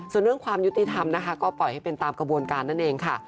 ส่วนเรื่องความยุติธรรมนะคะก็ปล่อยให้เป็นตามกระบวนการนั่นเองค่ะ